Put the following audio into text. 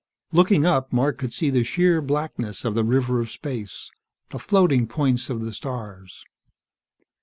Looking up, Mark could see the sheer blackness of the river of space, the floating points of the stars.